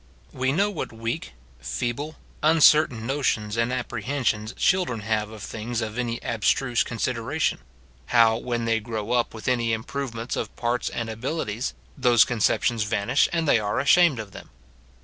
We know what weak, feeble, uncertain notions and apprehensions children have of things of any abstruse consideration ; how when they grow up with any improvements of parts and abilities, those conceptions vanish, and they are ashamed of them.